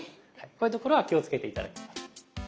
こういうところは気をつけて頂きます。